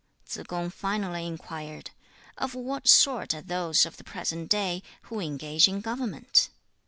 Tsze kung finally inquired, 'Of what sort are those of the present day, who engage in government?'